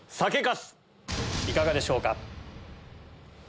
いかがでしょうか？